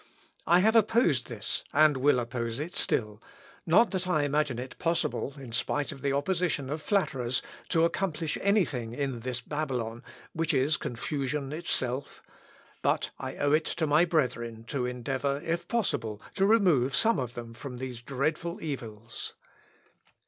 I have opposed this, and will oppose it still, not that I imagine it possible, in spite of the opposition of flatterers, to accomplish any thing in this Babylon, which is confusion itself; but I owe it to my brethren to endeavour, if possible, to remove some of them from these dreadful evils.